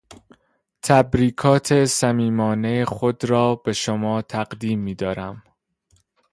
تبریکات صمیمانهٔ خود را بشما تقدیم میدارم.